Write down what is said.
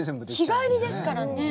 日帰りですからね。